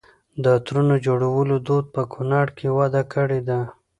د عطرو جوړولو دود په کونړ کې وده کړې ده.